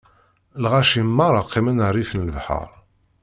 Lɣaci meṛṛa qqimen rrif n lebḥeṛ.